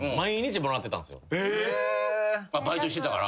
バイトしてたから？